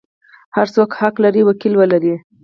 هر څوک حق لري وکیل ولري.